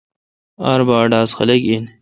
آر بھا ا ڈاس خلق این۔